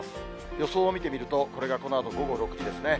予想を見てみると、これがこのあと午後６時ですね。